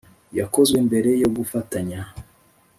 Yakozwe mbere yo gufatanya